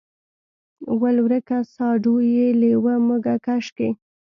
ول ورکه ساډو چې لېوه مږه کش کي.